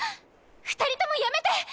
二人ともやめて。